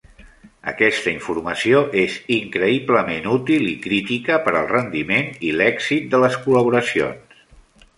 Aquesta informació és increïblement útil i crítica per al rendiment i l'èxit de les col·laboracions.